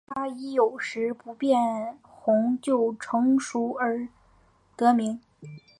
它以有时不变红就成熟而得名。